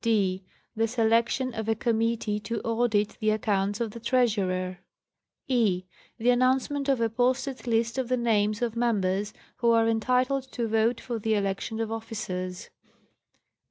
d. The selection of a committee to audit the accounts of the Treasurer. e. The announcement of a posted list of the names of members who are entitled to vote for the election of officers.